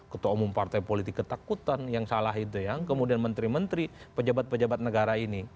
ketua umum partai politik ketakutan yang salah itu yang kemudian menteri menteri pejabat pejabat negara ini